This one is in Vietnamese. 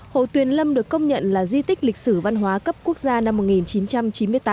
hồ tuyền lâm được công nhận là di tích lịch sử văn hóa cấp quốc gia năm một nghìn chín trăm chín mươi tám